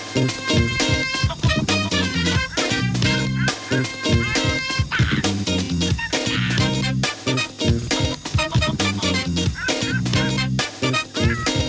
โปรดติดตามตอนต่อไป